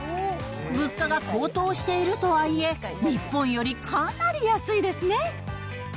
物価が高騰しているとはいえ、日本よりかなり安いですね。